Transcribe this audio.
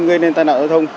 gây nên tai nạn giao thông